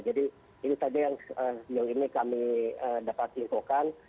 jadi ini saja yang kami dapat lingkupkan